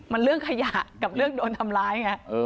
มันเรื่องขยะกับเรื่องโดนทำร้ายไง